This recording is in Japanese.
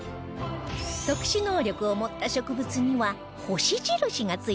特殊能力を持った植物には星印がついていますよ